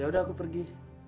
ya sudah aku pergi